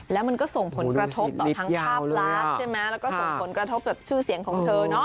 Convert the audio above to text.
แล้วมันก็ส่งผลกระทบต่อทั้งภาพและชื่อเสียงของเธอ